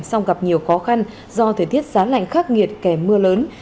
song gặp nhiều khó khăn do thời tiết giá lạnh khắc nghiệt kèm mưa lớn